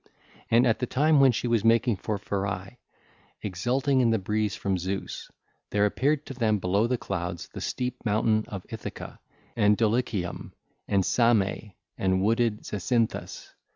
And at the time when she was making for Pherae, exulting in the breeze from Zeus, there appeared to them below the clouds the steep mountain of Ithaca, and Dulichium and Same and wooded Zacynthus.